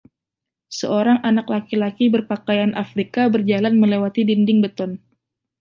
Seorang anak laki-laki berpakaian Afrika berjalan melewati dinding beton